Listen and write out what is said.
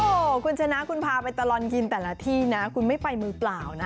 โอ้โหคุณชนะคุณพาไปตลอดกินแต่ละที่นะคุณไม่ไปมือเปล่านะ